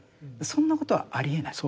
そんなことはありえない。